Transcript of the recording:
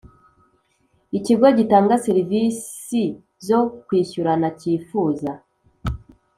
Ikigo gitanga serivisi zo kwishyurana cyifuza